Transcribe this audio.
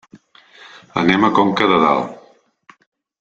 Anem a Conca de Dalt.